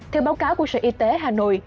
theo báo cáo của sở y tế hà nội